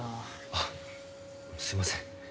あっすみません。